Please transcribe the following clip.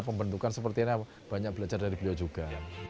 pembentukan seperti ini banyak belajar dari beliau juga